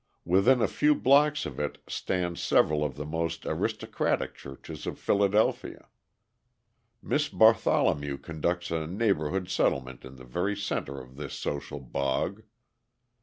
Within a few blocks of it stand several of the most aristocratic churches of Philadelphia. Miss Bartholomew conducts a neighbourhood settlement in the very centre of this social bog.